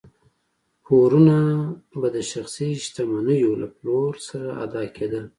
پورونه به د شخصي شتمنیو له پلور سره ادا کېدل.